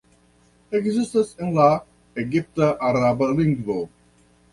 Ekzistas en la egipt-araba lingvo.